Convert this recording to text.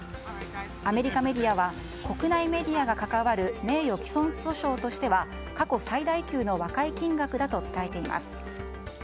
アメリカメディアは国内メディアが関わる名誉棄損訴訟としては過去最大級の和解金額だと伝えています。